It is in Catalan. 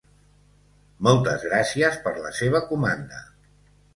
Moltes gràcies per la seva comanda.